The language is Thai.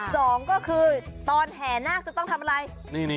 สองก็คือตอนแห่นาคจะต้องทำอะไร